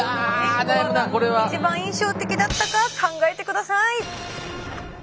どのへんコワが一番印象的だったか考えてください。